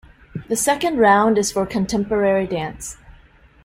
The second round is for contemporary dance.